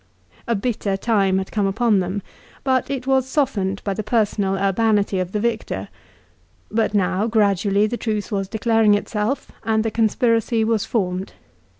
A bitter time had come upon them ; but it was softened by the personal urbanity of the victor. But now, gradually the truth was declaring itself, and the conspiracy was formed.